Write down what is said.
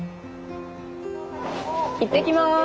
いってきます！